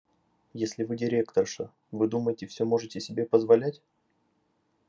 Если Вы директорша, Вы думаете, все можете себе позволять?